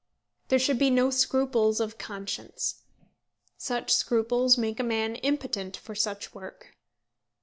There should be no scruples of conscience. Such scruples make a man impotent for such work.